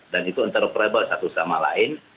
dan itu inter pribal satu sama lain